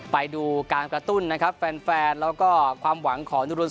ไปดูการกระตุ้นนะครับแฟนแฟนแล้วก็ความหวังของนุรุน